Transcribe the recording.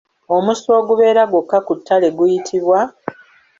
Omusu ogubeera gwokka mu ttale guyitibwa?